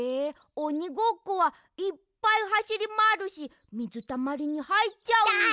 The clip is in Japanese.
おにごっこはいっぱいはしりまわるしみずたまりにはいっちゃうんじゃ。